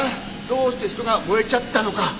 どうして人が燃えちゃったのか。